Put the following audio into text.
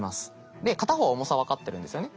で片方は重さ分かってるんですよね。